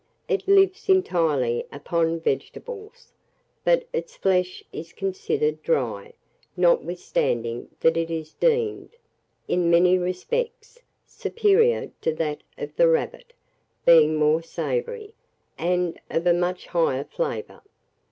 It lives entirely upon vegetables, but its flesh is considered dry, notwithstanding that it is deemed, in many respects, superior to that of the rabbit, being more savoury, and of a much higher flavour.